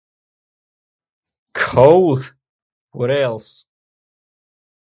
Cows! What else?